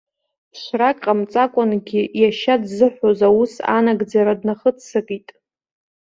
Ԥшрак ҟамҵакәангьы иашьа дзыҳәоз аус анагӡара днахыццакит.